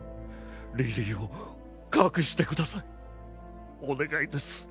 リリーを隠してくださいお願いです